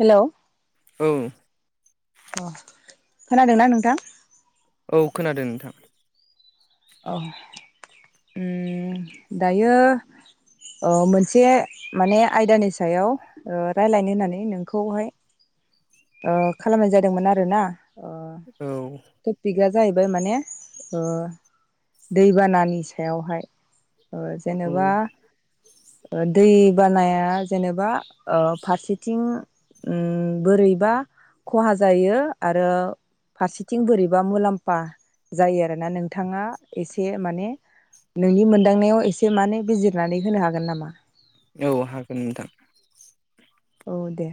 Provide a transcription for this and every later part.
हेल' औ अ खोनादोंना नोंथां औ खोनादों नोंथां औ दायो मोनसे माने आयदानि सायाव रायज्लायनो होननानै नोंखौहाय खालामनाय जादोंमोन आरोना औ टपिकआ जाहैबाय माने दैबानानि सायावहाय औ जेनेबा दै बानाया जेनेबा ओ फारसेथिं ओ बोरै बा खहा जायो आरो फारसेथिं बोरैबा मुलाम्फा जायो आरोना नोंथाङा एसे माने नोंनि मोनदांनायाव एसे मानो बिजिरनानै होनो हागोन नामा औ हागोन नोंथां औ दे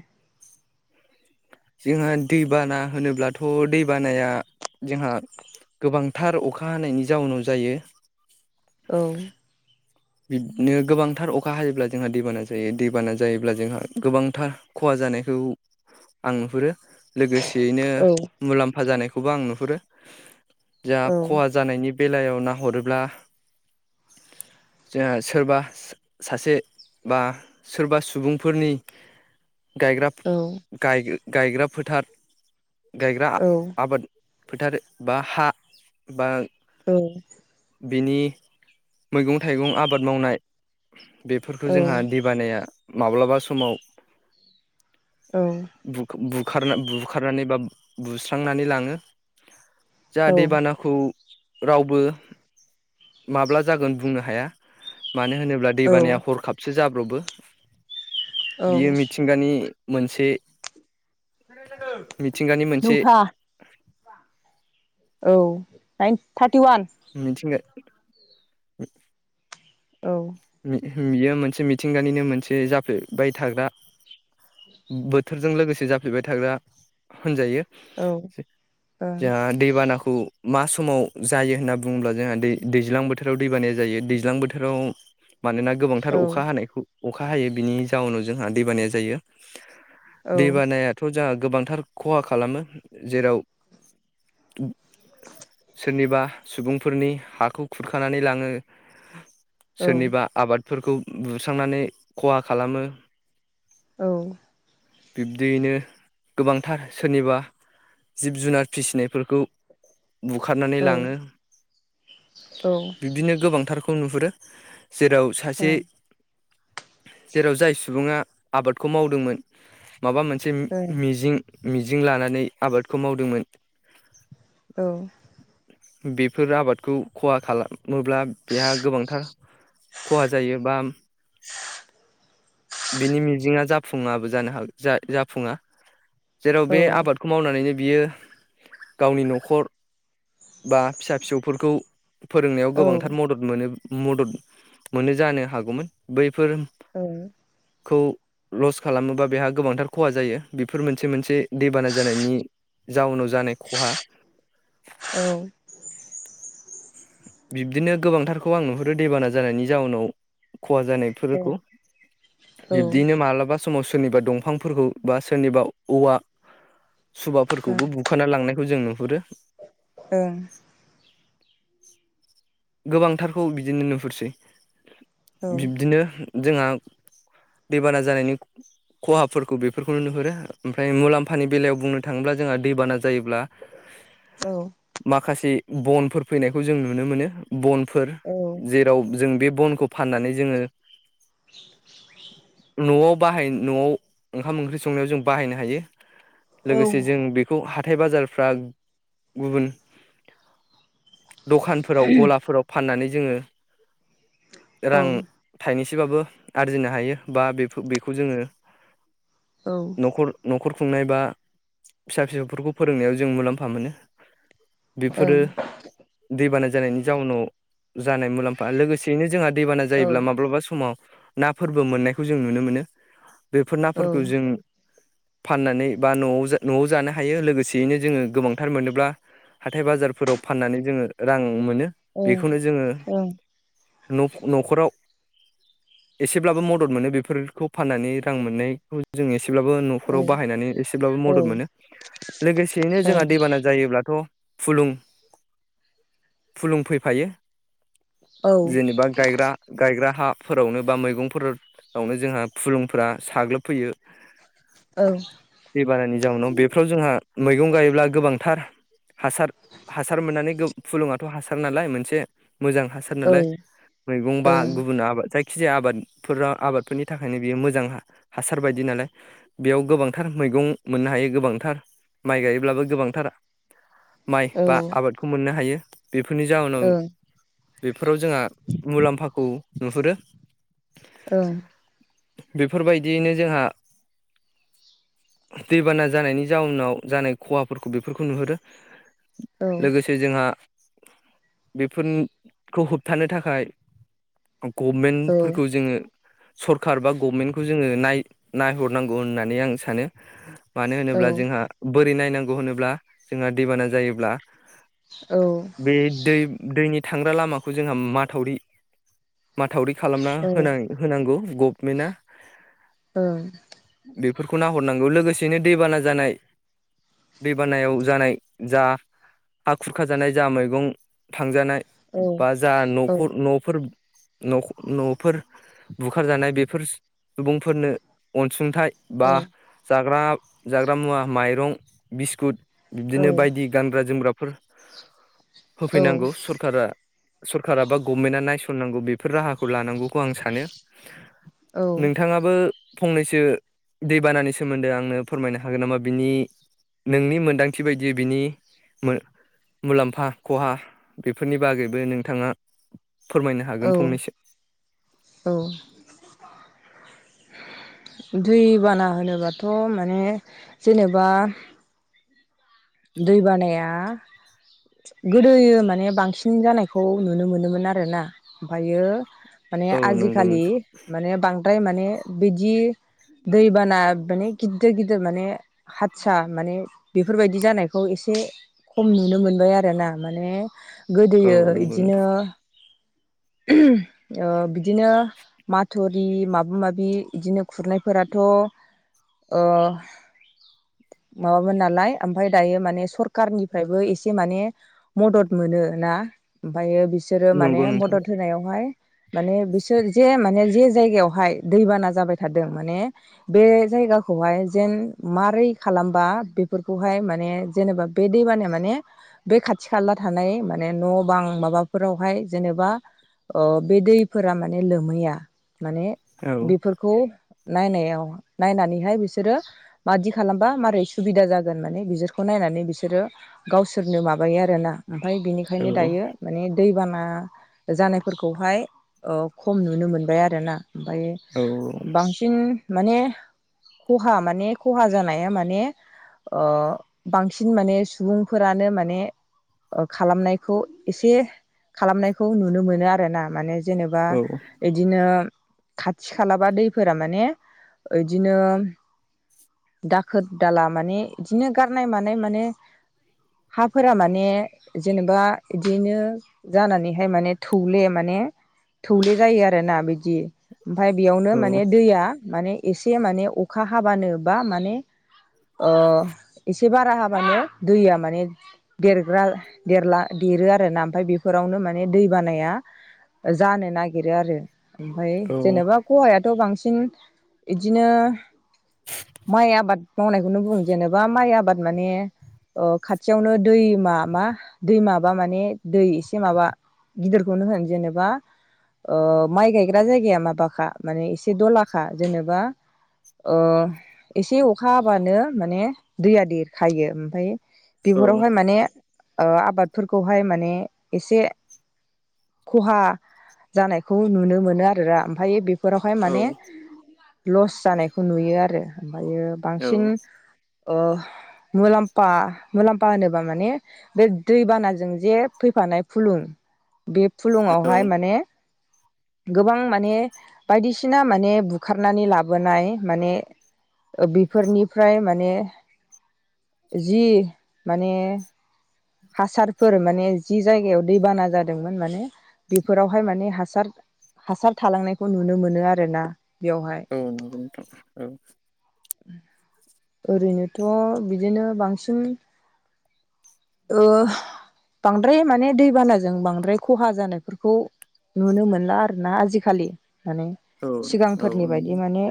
जोंहा दैबाना होनोब्लाथ' दैबानाया जोंहा गोबांथार अखा हानायनि जाउनाव जायो औ बिदिनो गोबांथार अखा हायोब्ला जोंहा दैबाना जायो दैबाना जायोब्ला जोंहा गोबांथार खहा जानायखौ आं नुहुरो लोगोसेयैनो औ मुलाम्फा जानायखौबो आं नुहुरो जों औ खहा जानायनि बेलायाव नाहरोब्ला जोंहा सोरबा सासे बा सोरबा सुबुंफोरनि गायग्रा औ। गाय गायग्रा फोथार गायग्रा आ औ आबाद फोथार बा हा बा औ। बिनि मैगं थाइगं आबाद मावनाय बेफोरखौ जोंहा दैबानाया माब्लाबा समाव औ बु बुखारनानै बा बुस्रांनानै लाङो जा औ दैबानाखौ रावबो माब्ला जागोन बुंनो हाया मानो होनोब्ला औ दैबानाया हरखाबसो जाब्र'बो औ बियो मिथिंगानि मोनसे मिथिंगानि मोनसे नौथा औ थार्टि वान [unintelligible] औ। बियो मोनसे मिथिंगानिनो मोनसे जाफेरबाय थाग्रा बोथोरजों लोगोसे जाफ्लेबाय थाग्रा होनजायो। औ जोंहा दैबानाखौ मा समाव जायो होनना बुङोब्ला जोंहा दै दैज्लां बोथोराव दैबानाया जायो दैज्लां बोथोराव मानोना गोबांथार ओं अखा हानायखौ अखा हायो बिनि जाउनाव जोंहा दैबानाया जायो। औ दै बानायाथ' जोंहा गोबांथार खहा खालामो। जेराव सोरनिबा सुबुंफोरनि हाखौ खुरखानानै लाङो। औ सोरनिबा आबादफोरखौ बुस्रांनानै खहा खालामो। औ। बिब्दियैनो गोबांथार सोरनिबा जिब जुनार फिसिनायफोरखौ बुखारनानै लाङो ओं औ बिब्दिनो गोबांथारखौ नुहुरो। जेराव सासे जेराव जाय सुबुङा आबादखौ मावदोंमोन माबा मोनसे मिजिं मिजिं लानानै आबादखौ मावदोंमोन। औ। बेफोर आबादखौ खहा खालामोब्ला बेहा गोबांथार खहा जायो बा बिनि मिजिं जाफुङाबो जानो हाग जां जाफुङा जेराव औ ओं औ बे आबाद खौ मावनानैनो बियो गावनि न'खर बा फिसा फिसौफोरखौ फोरोंनायाव गोबांथार मदद मोनो मदद मोनो जानो हागौमोन। बैफोर औ। खौ लस खालामोबा बेहा गोबांथार खहा जायो। बेफोर मोनसे मोनसे दैबाना जानायनि जाउनाव जानाय खहा। औ। बिब्दिनो गोबांथारखौ आं नुहरो दैबाना जानायनि जाउनाव खहा जानाय‌ फोरखौ बिब्दिनो मालाबा समाव सोरनिबा दंफांफोरखौ बा सोरनिबा औवा सुबाफोरखौबो खाना लांनायखौ जों नुहुरो। ओं। गोबांथारखौ बिदिनो नुहुरसै। औ बिब्दिनो जोंहा दैबाना जानायनि खहाफोरखौ बेफोरखौ नुनोहुरो। ओमफ्राय मुलाम्फानि बेलायाव बुंनो थाङोब्ला जोंहा दैबाना जा जायोब्ला माखासे बनफोर फैनायखौ जों नुनो मोनो। बन फोर जेराव जों बे बनखौ फाननानै जोङो [inaudible] न'आव बाहाय न'आव ओंखाम ओंख्रि संनायाव जों बाहायनो हायो लोगोसे जों बेखौ हाथाय बाजारफ्रा गुबुन दखानफोराव गलाफोराव फाननानै जोङो औ रां थाइनैसबाबो आरजिनो हायो बा बेफो बेखौ जोङो औ। न'खर- न'खर खुंनाय बा फिसा फिसौफोरखौ फोरोंनायाव जों मुलाम्फा मोनो। बेफोरो ओं दैबाना जानायनि जाउनाव जानाय मुलाम्फा लोगोसेयैनो जोंहा दैबाना जायोब्ला माब्लाबा समाव ना फोरबो मोननायखौ जों नुनो मोनो। बेफोर नाफोरखौ जों फाननानै बा न'आव न'आव जानो हायो लोगोसेयैनो जोङो गोबांथार मोनोब्ला हाथाय बाजारफोराव फाननानै जोङो रां मोनो। बेखौनो जोङो न' न'खराव एसेब्लाबो मदद मोनो बेफोरखौ फाननानै रां मोननायखौ जों एसेब्लाबो न'खराव बाहायनानै एसेब्लाबो मदद मोनो। लोगोसेयैनो जोंहा दैबाना जायोब्लाथ' फुलुं फुलुं फैफायो जेनेबा गायग्रा- गायग्रा हाफोरावनो बा मैगंफोर बावनो जोंहा फुलुंफोरा साग्लोबफैयो। औ। दैबाननि जाउनाव बेफ्राव जोंहा मैगं गायोब्ला गोबांथार हासार- हासार मोननानै गो फुलुङाथ' हासार ना लाय मोनसे मोजां हासार नालाय मैगं बा गुबुन आबाद जाय खिजाया आबादफोराव आबादफोरनि थाखायनो बियो मोजां हासार बायदि नालाय। बेयाव गोबांथार मैगं मोननो हायो गोबांथार माइ गायोब्लाबो गोबांथार माइ बा आबादखौ मोननो हायो। जावोनाव बेफोराव जोंहा मुलाम्फाखौ नुहुरो। ओं। बेफोरबायदियैनो जोहा दैबाना जानायनि जाउनाव जानाय खहाफोरखौ बेफोरखौ नुहुरो। लोगोसे जोंहा बेफोनखौ होबथानो थाखाय गभमेन्टफोरखौ जोङो सरकार बा गभमेन्टखौ जोङो नाय- नायहरनांगौ होननानै आं सानो। मानो होनोब्ला जोंहा बोरै नायनांगौ होनोब्ला जोंहा दैबाना जायोब्ला औ। बे दै दैनि थांग्रा लामाखौ जोंहा माथावरि माथावरि खालामना होनां- होनांगौ गभमेन्टआ। औ। बेफोरखौ नाहरनांगौ लोगोसेयैनो दैबाना जानाय दै बानायाव जानाय जा हा खुरखाजानाय जा मैगं थांजानाय बा जा न'खर न'फोर न'ख'- न'फोर बुखारजानाय बेफोर सुबुंफोरनो अनसुंथाइ बा जाग्रा- जाग्रा मुवा माइरं बिस्कुट बिब्दिनो बायदि गानग्रा-जोमग्राफोर होफैनांगौ सरकारा। सरकारा बा गभमेन्टआ नायस'ननांगौ बेफोर राहाखौ लानांगौखौ आं सानो। नोंथाङा बो फंनैसो दैबानानि सोमोन्दै आंनो फोरमायनो हागोन नामा बिनि नोंनि मोनदांथि बायदियै बिनि मो- मुलाम्फा फा खहा बेफोरनि बागैबो नोंथाङा फोरमायनो हागोन फंनैसो। उम। दै बाना होनोबाथ' माने जेनेबा दै बानाया गोदोयो माने बांसिन जानायखौ नुनो मोनोमोन आरोना ओमफायो माने औ नंगौ आजिखालि नोंथां माने बांद्राय माने बिदि दैबाना माने गिदिर गिदिर माने हाथसा माने बेफोरबाय जानायखौ एसे खम नुनो मोनबाय आरोना माने औ गोदोयो नंगौ इदिनो नोंथां ओ बिदिनो माथुरि माबा-माबि इदिनो खुरनायफोराथ' ओ। माबामोन नालाय ओमफाय दायो माने सरकारनिफ्रायबो एसे माने मदद मोनो ना ओमफायो बिसोरो माने नंगौ नोंथां औ मदद होनायावहाय माने बिसोर जे माने जे जायगायावहाय दैबाना जाबाय थादों माने बे जायगाखौहाय जेन मारै खालामबा बेफोरखौहाय माने जेनेबा बे दैबाना माने बे खाथि-खाला थानाय माने न' बां माबाफोरावहाय जेनेबा ओ बे दैफोरा माने लोमहैया माने बेफोर खौ नायनायाव नायनानैहाय बिसोरो मादि खालामबा मारै सुबिदा जागोन माने बिसोरखौ नायनानै बिसोरो गावसोरनो माबायो आरोना ओमफ्राय औ बिनिखायनो दायो माने दैबाना जानायफोरखौहाय ओ खम नुनो मोनबाय आरोना ओमफाय औ बांसिन माने खहा माने खहा जानाया माने ओ बांसिन माने सुबुंफोरानो माने खालामनायखौ एसे खालामनायखौ नुनो मोनो आरोना माने जेनेबा औ इदिनो खाथि खालाबा दैफोरा माने इदिनो दाखोर दाला माने इदिनो गारनाय मानाय माने हाफोरा माने जेनेबा इदिनो जानानैहाय माने थौले माने थौले जायो आरोना बिदि ओमफाय बेयावनो माने दैया माने एसे माने अखा हाबानो बा माने ओ एसे बारा हाबानो दैया माने देरग्रा देरला देरो आरोना ओमफाय बेफोरावनो माने दै बानाया जानो नागिरो आरो ओमफाय जेनेबा खहायाथ' बांसिन इदिनो माइ आबाद मावनायखौनो बुं जेनेबा माइ आबाद माने ओ खाथियावनो दैमा मा दैमाबा माने दै एसे माबा गिदिरखौनो होन जेनेबा ओ माइ गायग्रा जायगाया माबाखा माने एसे दलाखा जेनेबा ओ एसे अखा हाबानो माने दैया देरखायो ओमफाय बिफोरावहाय माने ओ आबादफोरखौहाय माने एसे खहा जानायखौ नुनो मोनो आरोरा ओमफाय बेफोरावहाय औ माने औ लस जानायखौ नुयो आरो ओमफायो बांसिन ओ मुलाम्फा मुलाम्फा होनोबा माने बे दैबानाजों जे फैफानाय फुलुं बे फुलुङावहाय माने गोबां माने बायदिसिना माने बुखारनानै लाबोनाय माने ओ बेफोरनिफ्राय माने जि माने हासारफोर माने जि जायगायाव दैबाना जादोंमोन माने बेफोरावहाय माने हासार हासार थालांनायखौ नुनो मोनो आरोना बेवहाय औ नंगौ नोंथां औ। ओरैनोथ' बिदिनो बांसिन ओ बांद्राय माने दैबानाजों बांद्राय खहा जानायफोरखौ नुनो मोनला आरोना आजिखालि माने औ औ सिगांफोरनि बायदि नंगौ माने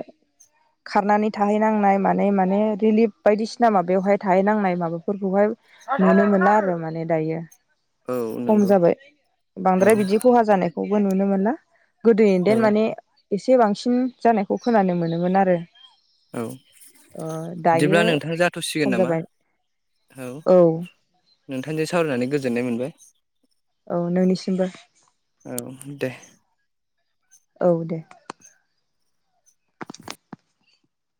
खारनानै थाहैनांनाय मानाय मा ने रिलिफ बायदिसिना माबायावहाय थाहैनांनाय माबाफोरखौहाय नुनो मोनला आरो माने दायो। औ खम नंगौ जाबाय औ बांद्राय बिदि खहा जानायखौबो नुनो मोनला। औ गोदोयैनदेन माने एसे बांसिन जानायखौ खोनानो मोनोमोन आरो। औ ओ बिदिब्ला दायो नोंथां खम जाथ'सिगोन नामा जाबाय औ। नोंथांजों सावरायनानै गोजोननाय मोनबाय। औ नोंनिसिमबो। औ दे। औ दे।